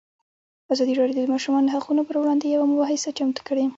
ازادي راډیو د د ماشومانو حقونه پر وړاندې یوه مباحثه چمتو کړې.